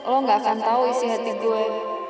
lo ga akan tau isi hati gue